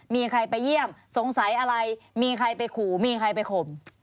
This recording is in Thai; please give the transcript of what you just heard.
มีใครไปเยี่ยมสงสัยอะไรมีใครไปขู่มีใครไปข่ม